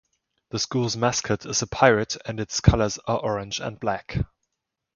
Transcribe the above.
The school's mascot is a pirate and its colors are orange and black.